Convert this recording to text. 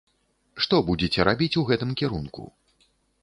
Што будзеце рабіць у гэтым кірунку?